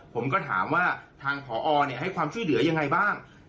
ผมก็ถามว่าทางผอให้ความช่วยเหลือยังไงบ้าง